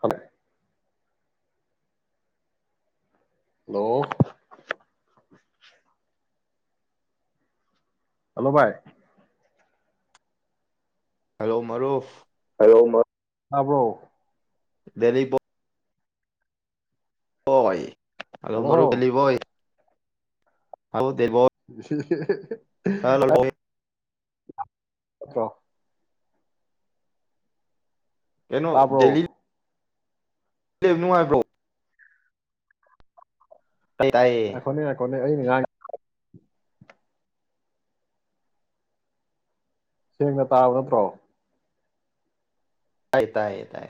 ꯍꯂ hello hello ꯚꯥꯏ hello ꯃꯥꯔꯨꯐ ꯍꯜꯂꯣꯕ꯭ꯔꯣ ꯗꯅꯤ ꯄꯣ ꯍꯣꯏ ꯑꯜꯂꯣ ꯍꯜꯂꯣ ꯃꯔꯨ ꯄꯂꯤꯕꯣꯏ ꯍ ꯎ ꯍꯂꯣ [unintelligible] ꯀꯩꯅꯣ ꯇꯥꯕ꯭ꯔꯣ ꯗꯦꯂꯤ ꯌꯨꯟꯗ ꯂꯩꯕ ꯅꯨꯡꯉꯥꯏꯕ꯭ꯔꯣ ꯇꯥꯏ ꯇꯥꯏꯌꯦ ꯉꯏꯈꯣꯅꯦ ꯉꯏꯈꯣꯅꯦ ꯑꯩꯅꯥ ꯉꯥꯡꯉꯤ ꯁꯦꯡꯅ ꯇꯥꯕ ꯅꯠꯇ꯭ꯔꯣ ꯇꯥꯏ ꯇꯥꯏ ꯇꯥꯏ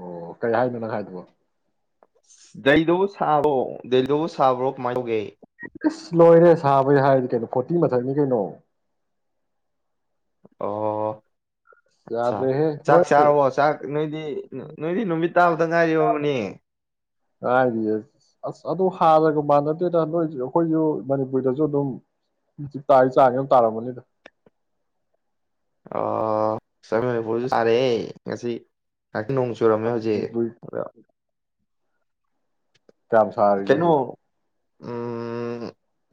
ꯑꯣ ꯀꯩ ꯍꯥꯏꯅꯣ ꯅꯪ ꯍꯥꯏꯗꯕꯣ ꯂꯩꯗꯨꯕꯨ ꯊꯥꯕ꯭ꯔꯣ ꯂꯩꯗꯨꯕꯨ ꯊꯥꯕ꯭ꯔꯣ ꯀꯃꯥꯏꯅ ꯇꯧꯒꯦ ꯑꯁ ꯂꯣꯏꯔꯦ ꯁꯥꯕꯩ ꯍꯥꯏꯔꯗꯤ ꯀꯩꯅꯣ ꯐꯣꯔꯇꯤ ꯃꯊꯛꯅꯤ ꯀꯩꯅꯣ ꯑꯣ ꯑꯁꯥ ꯌꯥꯗ꯭ꯔꯦꯍꯦ ꯆꯥꯛ ꯅꯣꯏ ꯆꯥꯔꯑꯣ ꯆꯥꯛ ꯅꯣꯏꯗꯤ ꯅꯣꯏꯗꯤ ꯅꯨꯃꯤꯠ ꯇꯥꯕꯗ ꯉꯥꯏꯔꯤꯕꯅꯦ ꯉꯥꯏꯔꯤꯌꯦ ꯑꯁ ꯑꯗꯨ ꯍꯥꯟꯔꯒ ꯃ ꯅꯠꯇꯦꯗ ꯅꯣꯏ ꯑꯩꯈꯣꯏꯁꯨ ꯃꯅꯤꯄꯨꯔꯗꯁꯨ ꯑꯗꯨꯝ ꯖꯤꯤ ꯇꯥꯔꯤ ꯆꯥꯡꯉ ꯌꯥꯝ ꯇꯥꯔꯝꯝꯕꯅꯤꯗ ꯑ [unintelligible] ꯁꯥꯔꯦꯍ‌ꯦ ꯉꯁꯤ ꯉ ꯅꯣꯡ ꯆꯨꯔꯝꯃꯦ ꯍꯧꯖꯤꯛ ꯃꯅꯤꯄꯨꯔ ꯀꯌꯥꯝ ꯁꯔꯒ‌ꯦ ꯀꯩꯅꯣ ꯍꯧꯖꯆꯛ ꯎꯝ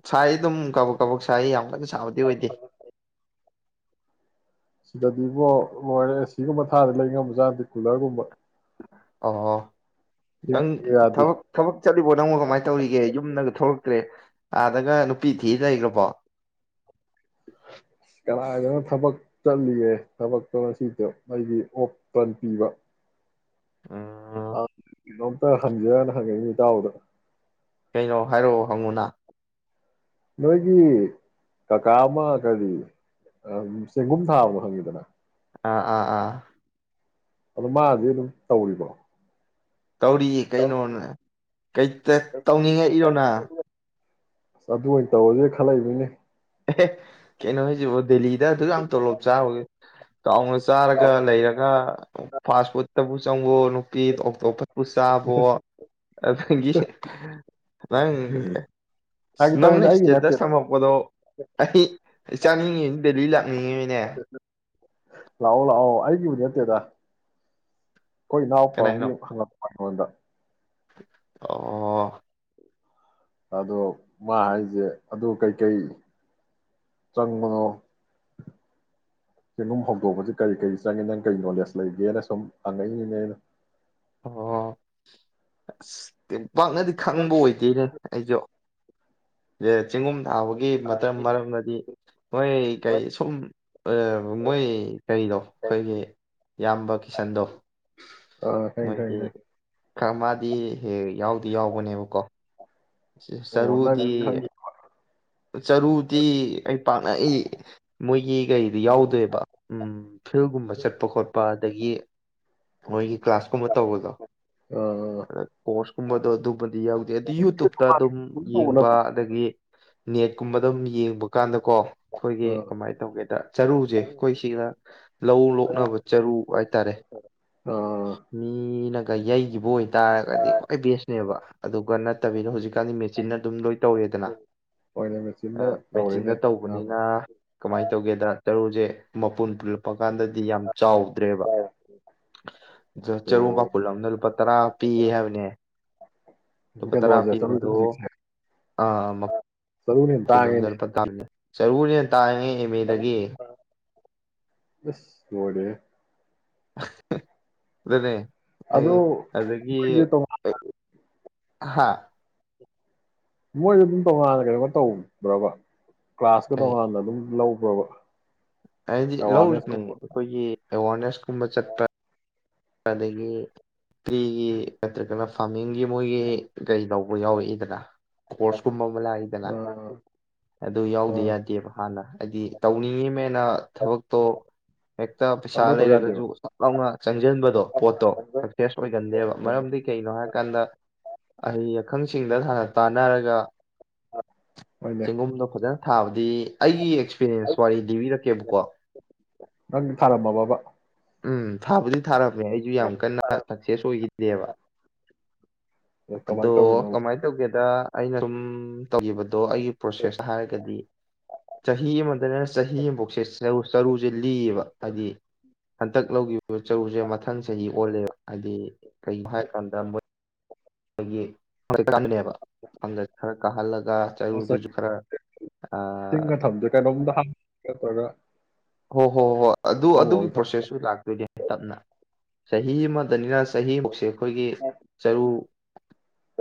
ꯁꯥꯏ ꯑꯗꯨꯝ ꯀꯕꯣꯛ ꯀꯕꯣꯛ ꯁꯥꯏ ꯌꯥꯝꯂ ꯁꯥꯕꯗꯤ ꯑꯣꯏꯗꯦ ꯁꯤꯗꯗꯤꯕꯣ ꯃꯣꯏ ꯑꯦꯁꯤꯒꯨꯝꯕ ꯊꯥꯗ ꯂꯩ ꯉꯝꯕꯖꯥꯠꯅꯠꯇ‌ꯦ ꯀꯨꯂꯔꯒꯨꯝꯕ ꯑꯣ ꯅꯪ ꯊꯕꯛ ꯌꯥꯗꯦ ꯊꯕꯛ ꯆꯠꯂꯤꯕꯣ ꯅꯪꯉ ꯀꯃꯥꯏꯅ ꯇꯧꯔꯤꯒꯦ ꯌꯨꯝꯗ ꯊ‌‌ꯣꯛꯇ꯭ꯔꯤ ꯑꯒꯥ ꯄꯤ ꯊꯤ ꯂꯩꯈ꯭ꯔꯕ ꯀꯗꯥꯥꯏꯗꯅ ꯊꯕꯛ ꯆꯠꯂꯤꯒꯦ ꯊꯕꯛꯇꯣ ꯉꯁꯤꯗ ꯑꯩꯒꯤ ꯑꯣꯞ ꯇꯟ ꯄꯤꯕ ꯎꯝ ꯑꯥ [unintelligible] [unintelligible] ꯍꯪꯖꯔꯅ ꯍꯪꯉꯛꯏꯅꯤ ꯏꯇꯥꯎꯗ ꯀꯩꯅꯣ ꯍꯥꯏꯔꯛꯑꯣ ꯍꯪꯉꯨꯅꯥ ꯅꯣꯏꯒꯤ ꯀꯀꯥ ꯑꯃ ꯀꯔꯤ ꯆꯦꯡꯒꯨꯝ ꯊꯥꯕꯥꯗ‌ꯣ ꯍꯪꯉꯤꯗꯅ ꯑꯥ ꯑꯥ ꯑꯥ ꯑꯗꯨ ꯃꯥꯗꯤ ꯑꯗꯨꯝ ꯇꯧꯔꯤꯕ꯭ꯔꯣ ꯇꯧꯔꯤꯌꯦ ꯀꯩꯅꯣꯅꯦ ꯀꯩꯇ ꯇꯧꯅꯤꯡꯉꯛꯏꯔꯣꯅ ꯑꯗꯨ ꯑꯣꯏꯅ ꯇꯧꯔꯁꯦ ꯈꯜꯂꯛꯏꯅꯤꯅꯦ ꯑꯦ ꯀꯩꯅꯣ ꯍꯥꯏꯁꯤꯕꯣ ꯗꯦꯂꯤꯗ ꯑꯗꯨ ꯌꯥꯝ ꯇꯣꯂꯣꯞ ꯆꯥꯕꯒꯤ ꯆꯥꯎꯅ ꯆꯥꯔꯒ ꯂꯩꯔꯒ ꯐꯥꯁ ꯐꯨꯠꯇꯕꯨ ꯆꯪꯕꯨꯣꯅꯨꯄꯤ ꯇꯣꯞ ꯇꯣꯞꯄ ꯄꯨꯆꯥꯥꯕꯣꯠ ꯑꯗꯒꯤ ꯅꯪ ꯐꯥꯒꯤ ꯅꯪꯅ ꯇꯧꯅꯤꯗ ꯑꯩꯒꯤ ꯏꯁꯇꯦꯇꯁ ꯅꯠꯇꯦꯗ ꯊꯝꯃꯛꯄꯗꯣ [unintelligible] ꯃꯤꯅꯦ ꯂꯥꯛꯑꯣ ꯂꯥꯛꯑꯣ ꯑꯩꯒꯤꯕꯨꯗꯤ ꯅꯠꯇꯦꯗ ꯑꯩꯈꯣꯏ ꯀꯅꯥꯏꯅꯣ ꯏꯅꯥꯎꯄꯥꯒꯤꯨꯛꯪꯛꯄ ꯑꯣꯗ ꯑꯣ ꯑꯗꯣ ꯃꯥ ꯍꯥꯏꯁꯦ ꯑꯗꯨ ꯀꯩꯀꯩ ꯆꯪꯕꯅꯣ ꯆꯦꯡꯒꯨꯝ ꯍꯧꯗꯣꯛꯄꯁ ꯀꯔꯤ ꯀꯔꯤ ꯆꯪꯉꯦ ꯅꯪ ꯀꯔꯤ ꯅꯣꯂꯦꯖ ꯂꯩꯒꯦꯅ ꯁꯨꯝ ꯍꯪꯉꯛꯏꯅꯤꯅꯦ ꯑꯣ ꯄꯥꯛꯅꯗꯤ ꯈꯪꯕ ꯑꯣꯏꯗꯦꯅꯦ ꯑꯩꯁꯨ ꯌꯦ ꯆꯤꯡꯒꯨꯝ ꯊꯥꯕꯒꯤ ꯑꯥ ꯃꯇꯝ ꯃꯔꯝꯗꯗꯤ ꯃꯣꯏ ꯀꯩ ꯁꯨꯝ ꯃꯣꯏ ꯀꯔꯤꯗꯣ ꯑꯩꯈꯣꯏꯒꯤ ꯌꯥꯝꯕ ꯀꯤꯁꯟꯗꯣ ꯑ ꯊꯦꯡ ꯊ ꯃꯣꯏꯒꯤ ꯊ ꯈꯔ ꯃꯥꯗꯤ ꯍ ꯌꯥꯎꯗꯤ ꯌꯥꯎꯕꯅꯦꯕꯀꯣ ꯑꯣ ꯅꯪ ꯁꯔꯨꯗꯤ ꯈꯪꯉꯤ ꯆꯔꯨꯗꯤ ꯑꯩ ꯄꯥꯛꯅꯏ ꯃꯣꯏꯒꯤ ꯀꯔꯤꯗꯤ ꯌꯥꯎꯗꯣꯏꯦꯕ ꯎ ꯐꯤꯜꯒꯨꯝꯕ ꯆꯠꯄ ꯈꯣꯠꯄ ꯑꯗꯒꯤ ꯃꯣꯏꯒꯤ ꯀ꯭ꯂꯥꯁ ꯀꯨꯝꯕ ꯇꯧꯕꯗꯣ ꯑꯥ ꯑ ꯀꯣꯔꯁꯀꯨꯝꯕꯗꯣ ꯑꯗꯨꯝꯕꯗꯤ ꯌꯥꯎꯗꯦ ꯑꯗꯨ ꯌꯨꯇꯨꯕꯇ ꯑꯗꯨꯝ ꯇꯧꯕ ꯌꯦꯡꯕ ꯅꯠꯇ꯭ꯔꯣ ꯑꯗꯒꯤ ꯅꯦꯠꯀꯨꯝꯕꯗ ꯑꯗꯨꯝ ꯌꯦꯡꯕ ꯀꯥꯟꯗ ꯀꯣ ꯑꯩꯈꯣꯏꯒꯤ ꯑꯥ ꯀꯃꯥꯏꯅ ꯇꯧꯒꯦꯗ ꯆꯔꯨꯁꯦ ꯑꯩꯈꯣꯏ ꯁꯤꯒ ꯂꯧ ꯂꯣꯛꯅꯕ ꯆꯔꯨ ꯍꯥꯏ ꯇꯔꯦ ꯑꯥ ꯁꯤꯅꯒ ꯌꯩꯈꯤꯕ ꯑꯣꯏꯇꯥꯔꯒꯗꯤ ꯈ꯭ꯋꯥꯏ ꯕꯦꯁꯅꯦꯕ ꯑꯗꯨꯒ ꯅꯠꯇꯕꯤꯗ ꯍꯧꯖꯤꯛꯀꯥꯟꯗꯤ ꯃꯦꯆꯤꯟꯅ ꯑꯗꯨꯝ ꯂꯣꯏ ꯇꯧꯋꯦꯗꯅ ꯍꯣꯏꯅꯦ ꯑ ꯃꯦꯆꯤꯟꯅ ꯃ ꯇꯧꯔꯦꯅꯦ ꯆꯤꯟꯅ ꯑꯌꯥꯝꯕ ꯇꯧꯕꯅꯤꯅ ꯀꯃꯥꯏꯅ ꯇꯧꯒꯦꯗ ꯆꯔꯨꯁꯦ ꯃꯄꯨꯟ ꯄꯨꯜꯂꯛꯄ ꯀꯥꯟꯗꯗꯤ ꯌꯥꯝ ꯆꯥꯎꯗ꯭ꯔꯦꯕ ꯑꯗꯣ ꯆꯔꯨ ꯑꯣ ꯃꯥꯄꯨꯜ ꯑꯃꯅ ꯂꯨꯄꯥ ꯇꯔꯥ ꯄꯤꯌꯦ ꯍꯥꯏꯕꯅꯦ ꯀꯗꯣꯖꯦ ꯆꯖꯤꯁ ꯑꯥ ꯐ ꯂꯝꯖꯔ ꯄꯥꯦ ꯆꯔꯔꯤꯅꯦ ꯇꯥꯡꯉꯦ ꯑꯦꯝ ꯑꯁ ꯑꯦꯗꯒꯤ ꯃꯔꯦ ꯑꯗꯨꯅꯦ ꯑꯩ ꯑꯗꯨꯗꯣ ꯃ ꯇ ꯍꯥꯥ ꯃꯣꯏꯁꯨ ꯑꯗꯨꯝ ꯇꯣꯉꯥꯟꯅ ꯀꯩꯅꯣꯃ ꯇꯧꯕ꯭ꯔꯣꯕ ꯀ꯭ꯂꯥꯁꯀ ꯀꯩ ꯇꯣꯡꯉꯥꯟꯅ ꯑꯗꯨꯝ ꯂ ꯋꯥ ꯋꯥ ꯍꯥꯏꯗꯤ ꯂꯧꯔꯤꯁꯤꯅꯦ ꯑꯩꯈꯣꯏꯒꯤ ꯑꯦꯋꯥꯔꯅꯦꯁ ꯀꯨꯝꯕ ꯆꯠꯄ ꯑꯗꯒꯤ ꯇ꯭ꯔꯤꯒꯤ ꯅꯠꯇ꯭ꯔꯒꯅ ꯐꯥꯔꯃꯤꯡꯒꯤ ꯃꯣꯏꯒꯤ ꯀꯩꯗꯧꯕ ꯌꯥꯎꯔꯛꯏꯗꯅ ꯀꯣꯔꯁ ꯀꯨꯝꯕ ꯑꯃ ꯂꯥꯛꯏꯗꯅ ꯑꯥ ꯑꯗꯨ ꯌꯥꯎꯗꯤ ꯑꯥ ꯌꯥꯗꯦꯕ ꯍꯥꯟꯅ ꯍꯥꯏꯗꯤ ꯇꯧꯅꯤꯡꯉꯤ ꯃ ꯑꯩꯅ ꯊꯕꯛꯇꯣ ꯍꯦꯛꯇ ꯄꯩꯁꯥ ꯄꯪꯇꯧ ꯇꯧ ꯌꯥꯗꯦꯕ ꯂꯩꯔꯒꯁꯨ ꯆꯥꯛ ꯂꯥꯎꯅ ꯁꯖꯟ ꯣ ꯄꯣꯠꯇꯣ ꯑꯣ ꯁꯛꯁꯦꯁ ꯑꯣꯏꯒꯟꯗꯦꯕ ꯃꯔꯝꯗꯤ ꯀꯩꯅꯣ ꯍꯥꯏꯔꯀꯥꯟꯗ ꯑ ꯑ ꯈꯪꯁꯤꯡꯗ ꯊꯥꯟ ꯇꯥꯟꯅꯔꯒ ꯍꯣꯏꯅꯦ ꯆꯦꯡꯒꯨꯝꯗꯣ ꯐꯖꯅ ꯍꯥꯎ ꯗꯤ ꯑꯩꯒꯤ ꯑꯦꯛꯁꯄꯤꯔꯤꯌꯦꯟꯁ ꯋꯥꯔꯤ ꯂꯤꯕꯤꯔꯛꯀꯦꯕꯀꯣ ꯅꯪ ꯊꯥꯔꯝꯃꯕꯕ ꯎꯝ ꯊꯥꯕꯨꯗꯤ ꯊꯥꯔꯝꯃꯦ ꯑ ꯑꯩꯁꯨ ꯌꯥꯝ ꯑꯗꯣ ꯀꯟꯅ ꯁꯛꯁꯦꯁ ꯑꯣꯏꯈꯤꯗꯦꯕ ꯑꯗꯣ ꯀꯃꯥꯏꯅ ꯇꯧꯔꯤꯅꯣ ꯀꯃꯥꯏꯅ ꯇꯧꯒꯦꯗ ꯑꯩꯅ ꯁꯨꯝ ꯇꯧꯈꯤꯕ ꯑꯗꯣ ꯑꯩꯒꯤ ꯄ꯭ꯔꯣꯁꯦꯁ ꯍꯥꯏꯔꯒꯗꯤ ꯆꯍꯤ ꯑꯃꯗꯩꯩꯅ ꯆꯍꯤ ꯑꯃꯐꯧꯁꯦ ꯆꯔꯨ ꯂꯤꯕ ꯍꯥꯏꯗꯤ ꯍꯟꯇꯛ ꯂꯧꯈꯤꯕ ꯂꯧꯈꯤꯕ ꯆꯔꯨꯁꯦ ꯃꯊꯪ ꯆꯍꯤ ꯑꯣꯜꯂꯦꯕ ꯍꯥꯏꯗꯤ ꯀꯩꯅꯣ ꯍꯥꯏꯀꯥꯟꯗ [unintelligible] ꯃꯇꯝꯗ ꯈꯔ ꯀꯥꯍꯜꯂꯒ ꯉꯁꯥꯏ ꯆꯔꯨꯗꯨꯁꯨ ꯈꯔ ꯀ ꯄ꯭ꯔꯒ [unintelligible] ꯍꯣ ꯍꯣ ꯍꯣꯏ ꯑꯗꯨ ꯑꯗꯨꯒꯤ ꯄ꯭ꯔꯣꯁꯦꯁꯁꯨ ꯂꯥꯛꯇꯣꯏꯅꯦ ꯇꯞꯅ ꯆꯍꯤ ꯑꯃꯗꯅꯤꯅ ꯆꯍꯤꯃꯨꯛꯁꯦ ꯑꯩꯈꯣꯏꯒꯤ ꯆꯔꯨ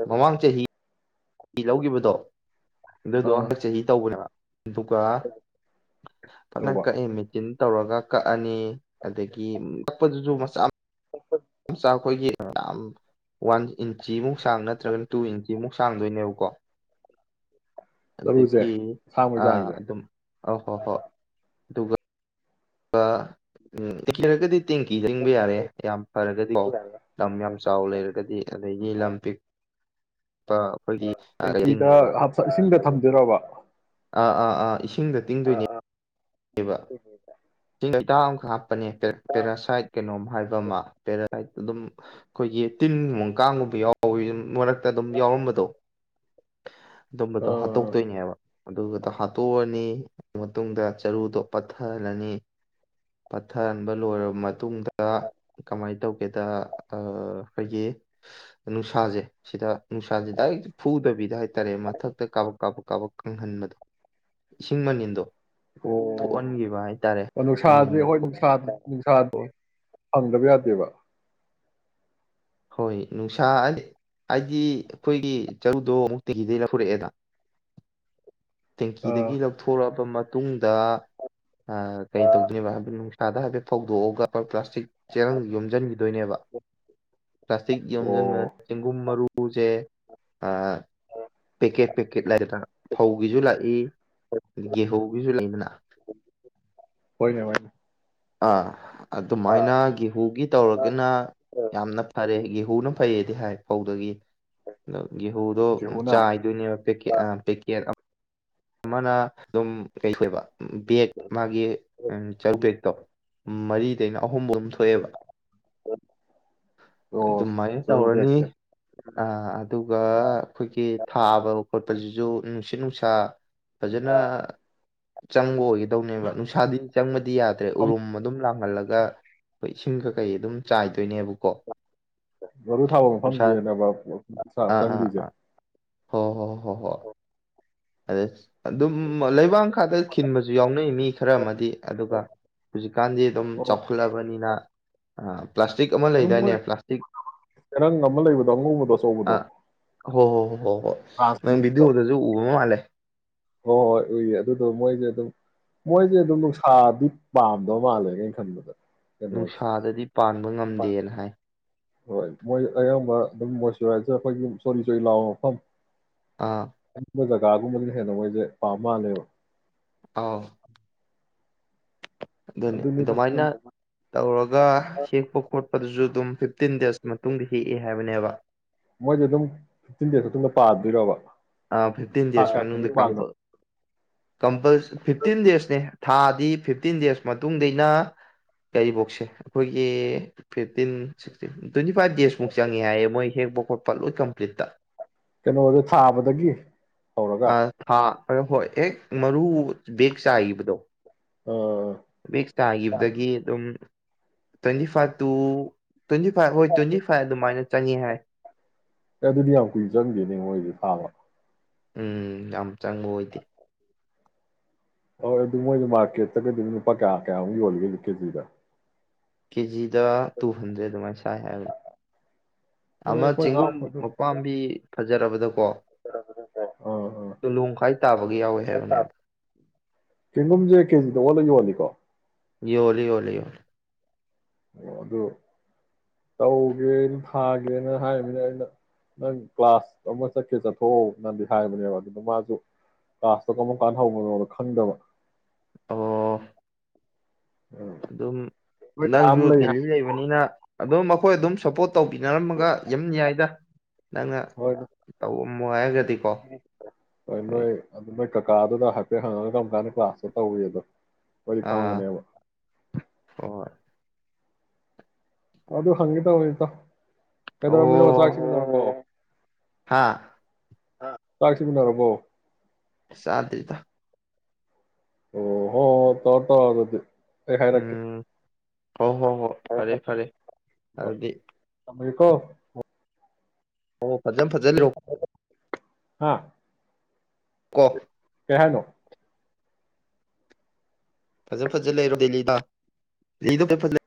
ꯃꯃꯥꯡ ꯆꯍꯤ ꯆꯍꯤ ꯐꯤ ꯂꯧꯈꯤꯕꯗꯣ ꯑꯗꯨꯗꯣ ꯑꯥ ꯍꯛ ꯆꯍꯤ ꯇꯧꯕ ꯍꯂ [inaudible] ꯑꯗꯨꯒ ꯐꯖꯅ ꯇꯧꯕ ꯀꯛꯑꯦ ꯃꯦꯆꯤꯟ ꯇꯧꯔꯒ ꯀꯛꯑꯅꯤ ꯑꯗꯒꯤ ꯀꯛꯄꯗꯨꯁꯨ ꯃꯆꯥ ꯃꯆꯥ ꯑꯩꯈꯣꯏꯒꯤ ꯌꯥꯝ ꯋꯥꯟ ꯏꯟꯆꯤꯃꯨꯛ ꯁꯥꯡ ꯅꯠꯇ꯭ꯔꯒꯅ ꯇꯨ ꯏꯟꯆꯤꯃꯨꯛ ꯁꯥꯡꯗꯣꯏꯅꯦꯕꯀꯣ ꯆꯔꯨꯁꯦ ꯑꯗꯒꯤ ꯑꯁꯥꯡꯕꯩ ꯑ ꯆꯥꯡꯁꯦ ꯑꯗꯨꯝ ꯑ ꯍꯣ ꯍꯣꯏ ꯑꯗꯨꯒ ꯎꯗꯤ [unintelligible] ꯇꯦꯡꯀꯤ ꯇꯤꯡꯕ ꯌꯥꯔꯦ ꯌꯥꯝ ꯐꯔꯒꯗꯤꯀꯣ ꯂꯝ ꯌꯥꯝ ꯆꯥꯎ ꯂꯩꯔꯒꯗꯤ ꯑꯗꯒꯤ ꯂꯝ ꯄꯤꯛꯄ ꯑꯩꯈꯣꯏꯒꯤ ꯇꯤꯡꯉꯦꯕ ꯭ꯔꯣꯕꯥ [inaudible] ꯑꯥ ꯑꯥ ꯑꯥ ꯏꯁꯤꯡꯗ ꯇꯤꯡꯗꯣꯏꯅꯤ ꯑꯃ ꯍꯥꯞꯄꯅꯦ ꯄꯦꯔꯥꯁꯥꯏꯠ ꯀꯩꯅꯣꯝ ꯍꯥꯏꯕ ꯑꯃ ꯄ ꯍꯥꯏ ꯑꯗꯨꯝ ꯑꯩꯈꯣꯏꯒꯤ ꯇꯤꯟꯒꯨꯝꯕ ꯀꯥꯡꯒꯨꯝꯕ ꯌꯥꯎꯋꯤ ꯃꯔ ꯑꯗꯨꯝ ꯌꯥꯎꯔꯝꯕꯗꯣ ꯑꯗꯨꯝꯕꯗꯣ ꯑꯣ ꯍꯥꯠꯇꯣꯛꯇꯣꯏꯅꯦꯕ ꯑꯗꯨꯒꯗ ꯍꯥꯠꯇꯣꯛꯑꯅꯤ ꯃꯇꯨꯡꯗ ꯆꯔꯨꯗꯣ ꯄꯠꯊꯍꯜꯂꯅꯤ ꯄꯠꯊꯍꯟꯕ ꯂꯣꯏꯔꯕ ꯃꯇꯨꯡꯗ ꯀꯃꯥꯏꯅ ꯇꯧꯒꯦꯗ ꯑꯩꯈꯣꯏꯒꯤ ꯅꯨꯡꯁꯥꯁꯦ ꯁꯤꯗ ꯅꯨꯡꯁꯥꯁꯦ ꯗꯥꯏꯔꯦꯛ ꯐꯨꯗꯕꯤꯗ ꯍꯥꯏꯇꯥꯔꯦ ꯃꯊꯛꯇ ꯀꯥꯕꯛ ꯀꯥꯕꯛ ꯀꯥꯕꯛ ꯀꯪꯍꯟꯕꯗꯣ ꯏꯁꯤꯡ ꯃꯅꯤꯟꯗꯣ ꯊꯣꯛꯍꯟꯈꯤꯕ ꯍꯥꯏꯇꯥꯔꯦ ꯑꯣ ꯅꯨꯡꯁꯥꯥꯁꯦ ꯃꯅꯤꯟꯗ ꯍꯣꯏ ꯊꯣꯛꯑ ꯅꯨꯡꯁꯥꯗ ꯏꯁꯥ ꯍꯪꯗꯕ ꯌꯥꯗꯦꯕ ꯍꯣꯏ ꯅꯨꯡꯁꯥ ꯍꯥꯏꯗꯤ ꯑꯩꯈꯣꯏꯒꯤ ꯆꯔꯨꯗꯣ ꯑꯃꯨꯛꯇꯤꯤꯗꯒꯤꯩ ꯂꯧꯈꯔꯛꯑꯦꯗ ꯑꯥ ꯇꯦꯡꯀꯤꯗꯒꯤ ꯂꯧꯊꯣꯔꯛꯑꯕ ꯃꯇꯨꯡꯗ ꯀꯩ ꯇꯧꯗꯣꯏꯅꯦꯕ ꯍꯥꯏ ꯅꯨꯡꯁꯥꯗ ꯍꯥꯏꯐꯦꯠ ꯐꯧꯗꯣꯛꯑꯒ ꯄ ꯄ꯭ꯂꯥꯁ ꯆꯛ ꯆꯦꯔꯪ ꯌꯣꯝꯁꯤꯟꯈꯤꯗꯣꯏꯅꯦꯕ ꯄ꯭ꯂꯥꯁꯇꯤꯛ ꯌꯣꯝꯁꯤꯟꯕ ꯑꯣ ꯆꯦꯡꯒꯨꯝ ꯃꯔꯨꯁꯦ ꯄꯦꯛꯀꯦꯠ ꯄꯦꯛꯀꯦꯠ ꯂꯩꯗꯅ ꯐꯧꯒꯤꯁꯨ ꯂꯥꯛꯏ ꯒꯦꯍꯧꯒꯤꯁꯨ ꯂꯩꯗꯅ [unintelligible] ꯑꯥ ꯑꯗꯨꯃꯥꯏꯅ ꯒꯦꯍꯨꯒꯤ ꯇꯧꯔꯒꯅ ꯌꯥꯝꯅ ꯐꯔꯦ ꯒꯦꯍꯨ ꯃꯨꯂꯨꯝ ꯐꯩꯌꯦꯗꯤ ꯍꯥꯏ ꯐꯧꯗꯒꯤ ꯑꯗꯣ ꯒꯦꯍꯨꯗꯣ ꯒꯦꯍꯨꯅ ꯆꯥꯏꯗꯣꯏꯅꯦꯕꯦ ꯄꯦꯛꯀꯦꯠ ꯑꯃꯅ ꯑꯗꯨꯝ ꯀꯩꯊꯣꯏꯕ ꯕꯒ ꯃꯥꯒꯤ ꯆꯔꯨ ꯕꯦꯛꯇꯣ ꯃꯔꯤꯗꯩꯅ ꯑꯍꯨꯝꯕ ꯑꯃ ꯊꯣꯛꯑꯦꯕ ꯑꯣ ꯑꯗꯨꯃꯥꯏꯅ ꯆꯔꯨ ꯇꯧꯔꯅꯤ ꯕꯦꯛꯁꯦ ꯑ ꯑꯗꯨꯒ ꯑꯩꯈꯣꯏꯒꯤ ꯊꯥꯕ ꯈꯣꯠꯄꯁꯤꯁꯨ ꯅꯨꯡꯁꯤ ꯅꯨꯡꯁꯥ ꯐꯖꯅ ꯆꯪꯕ ꯑꯣꯏꯒꯤ ꯇꯧꯅꯦꯕ ꯅꯨꯡꯁꯥꯗꯤ ꯆꯪꯕꯗꯤ ꯌꯥꯗ꯭ꯔꯦ ꯎꯔꯨꯝ ꯑꯗꯨꯝ ꯂꯥꯡꯍꯜꯂꯒ ꯑꯩꯈꯣꯏ ꯏꯁꯤꯡꯒ ꯀꯩ ꯑꯗꯨꯝ ꯆꯥꯏꯗꯣꯏꯅꯦꯕꯀꯣ ꯃꯔꯨ ꯊꯥꯕ ꯅꯨꯡꯁꯥ ꯃꯐꯝꯁꯦꯕ ꯆꯪꯗ꯭ꯣꯏꯁꯦ ꯍ ꯍꯣ ꯍꯣꯏ ꯍꯣꯏ ꯑꯗꯦ ꯑꯗꯨꯝ ꯂꯩꯕꯥꯛ ꯈꯥꯗ ꯈꯤꯟꯕꯁꯨ ꯌꯥꯎꯅꯩꯅꯤ ꯈꯔ ꯑꯃꯗꯤ ꯑꯗꯨꯒ ꯍꯧꯖꯤꯛꯀꯥꯟꯗꯤ ꯑꯗꯨꯝ ꯑꯣ ꯆꯥꯎꯈꯠꯂꯕꯅꯤꯅ ꯑꯥ ꯄ꯭ꯂꯥꯁꯇꯤꯛ ꯑꯃ ꯑꯗꯨꯝ ꯂꯩꯗꯥꯏꯅꯦ ꯃꯣꯏ ꯄ꯭ꯂꯥꯁꯇꯤꯛ ꯑꯦꯔꯪ ꯑꯃ ꯂꯩꯕꯗꯣ ꯑꯉꯧꯕꯗꯣ ꯑꯆꯧꯕꯗꯣ ꯑꯣ ꯍꯣ ꯍ ꯍꯣ ꯕꯤꯗꯤ ꯑꯣꯗꯁꯨ ꯎꯂꯦ ꯍꯣꯏ ꯍꯣꯏ ꯎꯏꯌꯦ ꯑꯗꯨꯗꯣ ꯃꯣꯏꯁꯦ ꯑꯗꯨꯝ ꯃꯣꯏꯁꯦ ꯑꯗꯨꯝ ꯅꯨꯡꯁꯥꯗꯤ ꯄꯥꯝꯗꯕ ꯃꯥꯜꯂꯦ ꯀꯩꯅ ꯈꯟꯕꯗ ꯀꯩꯅꯣꯁꯦ ꯅꯨꯡꯁꯥꯗꯗꯤ ꯄꯥꯟꯕ ꯉꯝꯗꯦꯅ ꯍꯥꯏ ꯍꯣꯏ ꯃꯣꯏ ꯑꯌꯥꯝꯕ ꯑꯗꯨꯝ ꯃꯣꯏꯆꯔꯥꯏꯖꯔ ꯑꯩꯈꯣꯏꯒꯤ ꯆꯣꯔꯤ ꯆꯣꯔꯤ ꯂꯥꯎꯕ ꯃꯐꯝ ꯑꯥ ꯀꯥꯒꯨꯝ ꯍꯦꯟꯅ ꯃꯣꯏꯁꯦ ꯄꯥꯝ ꯃꯥꯜꯂꯦꯕ ꯑꯥꯎ ꯑꯗꯨꯅꯤ ꯑꯗꯨꯅꯤꯗ ꯁꯨꯝ ꯑꯗꯨꯃꯥꯏꯅ ꯇꯧꯔꯒ ꯍꯦꯛꯄ ꯈꯣꯠꯄꯗꯨꯁꯨ ꯑꯗꯨꯝ ꯐꯤꯞꯇꯤꯟ ꯗꯦꯖ ꯃꯇꯨꯡꯗ ꯍꯦꯛꯑꯦ ꯍꯥꯏꯕꯅꯦꯕ ꯄꯥ ꯑꯗꯨꯔꯣꯕ ꯑ ꯐꯤꯞꯇꯤꯟ ꯗꯁ ꯃꯗ ꯀꯝꯄ ꯀꯝꯄꯜ ꯐꯤꯞꯇꯤꯟ ꯗꯦꯖꯅꯦ ꯊꯥꯗꯤ ꯐꯤꯞꯇꯤꯟ ꯗꯦꯖ ꯃꯇꯨꯡꯗꯩꯅ ꯀꯐꯧꯁꯦ ꯑꯩꯈꯣꯏꯒꯤ ꯐꯤꯇꯤꯟ ꯁꯤꯤꯟ ꯇ꯭ꯋꯦꯟꯇꯤ ꯐꯥꯏꯚ ꯗꯦꯖꯃꯨꯛ ꯆꯪꯉꯦ ꯍꯥꯏꯌꯦ ꯃꯣꯏ ꯍꯦꯛꯐꯥꯎ ꯈꯣꯠꯄ ꯂꯣꯏ ꯀꯝꯄ꯭ꯂꯤꯠꯇ ꯀꯩꯅꯣꯗ ꯊꯥꯕꯗꯒꯤ ꯍꯧꯔꯒ ꯑ ꯍꯥꯥ ꯍꯣꯏ ꯍꯣꯏ ꯑꯦ ꯃꯔꯨ ꯕꯦꯛ ꯆꯕꯗꯣ ꯑꯣ ꯑꯗꯨꯝ twenty five to twenty five ꯍꯣꯏ ꯇ꯭ꯋꯦꯟꯇꯤ ꯐꯥꯏꯚ ꯑꯗꯨꯃꯥꯏꯅ ꯆꯪꯉꯤ ꯍꯥꯏ ꯑꯦ ꯑꯗꯨꯗꯤ ꯌꯥꯝ ꯀꯨꯏ ꯆꯪꯗꯦꯅꯦ ꯃꯣꯏꯗꯤ ꯊꯥꯕ ꯎꯝ ꯌꯥꯝ ꯆꯪꯉꯨ ꯑꯣꯏꯗꯦ ꯍꯣꯏ ꯑꯗꯨ ꯃꯣꯏꯗꯤ ꯃꯥꯔꯀꯦꯠꯇꯒꯗꯤ ꯂꯨꯄꯥ ꯀꯌꯥ ꯀꯌꯥꯃꯨꯛ ꯌꯣꯜꯂꯤꯒꯦ ꯀꯦꯖꯤꯗ ꯀꯦꯖꯤꯗ ꯇꯨ ꯍꯟꯗ꯭ꯔꯦꯗ ꯑꯗꯨꯃꯥꯏꯅ ꯆꯠ ꯥꯏ ꯍꯥꯏꯕꯅꯤ ꯅꯣꯏ ꯑꯃ ꯑꯩꯈꯣꯏ ꯆꯦꯡꯒꯨꯝ ꯅꯅꯥꯎꯄꯥꯗꯣ ꯃꯄꯥꯝꯕꯤ ꯐꯖꯔꯕꯗ ꯀꯣ ꯑꯥ ꯇꯨꯂꯣꯡꯈꯥꯏ ꯇꯥꯕꯒ ꯌꯥꯎꯋꯦ ꯍꯥꯏꯕꯅꯦꯕ ꯆ‌ꯦꯡꯒꯨꯝꯁꯦ ꯀꯦꯖꯤꯗ ꯑꯣꯜꯂ ꯌ‌ꯣꯜꯂꯤꯀꯣ ꯌꯣꯜꯂꯤ ꯌ‌ꯣꯜꯂꯤ ꯑꯣ ꯑꯗꯨ ꯇꯧꯒꯦ ꯊꯥꯒꯦꯅ ꯍꯥꯏꯃꯤꯅ ꯑꯩꯅ ꯅꯪ ꯀ꯭ꯂꯥꯁ ꯑꯃ ꯆꯠꯀꯦ ꯆꯠꯊꯣꯛꯑꯣꯅꯗꯤ ꯍꯥꯏꯕꯅꯦꯕ ꯑꯗꯨꯗ ꯃꯥꯁꯨ ꯀ꯭ꯂꯥꯁꯇꯣ ꯀꯔꯝ ꯀꯥꯟꯗ ꯍꯧꯕꯅꯣꯗ ꯈꯪꯗꯕ ꯑꯣ ꯎꯝ ꯑꯗꯨꯝ ꯅꯣꯏ ꯀꯥ ꯅꯪꯁꯨ ꯑꯃ ꯂꯩ ꯗꯦꯜꯂꯤ ꯍꯥꯏ ꯂꯩꯕꯅꯤꯅ ꯑꯗꯨꯝ ꯈ‌ꯣꯏ ꯑꯗꯨꯝ ꯁꯄꯣꯔꯠ ꯇꯧꯕꯤꯅꯔꯝꯃꯒ ꯌꯝ ꯌꯥꯏꯗ ꯅꯪꯅ ꯍꯣꯏ ꯇꯧ ꯃꯣꯏꯒ ꯍꯣꯏ ꯅꯣꯏ ꯑꯗꯨ ꯀꯀꯥꯗꯨꯗ ꯍꯥꯏꯐꯦꯠ ꯍꯪꯉꯒ ꯀꯔꯝ ꯀꯥꯟꯗ ꯀ꯭ꯂꯥꯁꯇ ꯇꯧꯋꯤ ꯑꯗꯣ ꯑꯥ ꯍ‌ꯣꯏ ꯑꯗꯨ ꯍꯪꯒ‌ꯦ ꯇꯧꯅꯤꯗ ꯀꯩꯗꯧꯔꯝꯃꯤꯅ‌ꯣ ꯆꯥꯛ ꯑꯣ ꯏꯁꯤꯡ ꯆꯥꯔꯕ‌ꯣ ꯍꯥꯥ ꯆꯥꯛꯁꯤꯡ ꯆꯥꯔꯕꯣ ꯆꯥꯗꯔꯤꯗ ꯑꯣ ꯍꯣꯏ ꯇꯧꯔ‌ꯣ ꯇꯧꯔ‌ꯣ ꯗꯨꯗꯤ ꯑꯩ ꯍꯥꯏꯔꯛꯀ‌ꯦ ꯍꯣꯏ ꯍꯣꯏ ꯍꯣꯏ ꯐꯔꯦ ꯐꯔꯦ ꯍꯣꯏ ꯑꯗꯨꯗꯤ ꯊꯝꯃꯒꯦꯀꯣ ꯍ‌ꯣ ꯐꯖꯅ ꯐꯖꯅ ꯂꯩꯌ‌ꯣ ꯍꯥꯥ ꯀꯣ ꯀꯩ ꯍꯥꯏꯅ‌ꯣ ꯐꯖ ꯐꯖ ꯂꯩꯔꯣ ꯗꯦꯜꯂꯤꯗ [unintelligible] ꯐꯖ ꯐꯖ